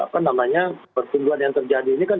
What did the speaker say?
pertumbuhan yang terjadi ini kan